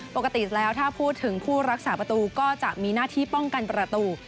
ปกติแล้วถ้าพูดถึงผู้รักษาประตูก็จะมีหน้าที่ป้องกันประตู